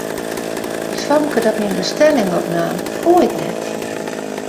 It famke dat myn bestelling opnaam, koe ik net.